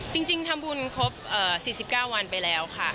จริงทำบุญครบ๔๙วันไปแล้วค่ะ